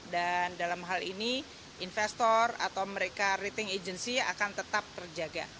dan dalam hal ini investor atau mereka rating agency akan tetap terjaga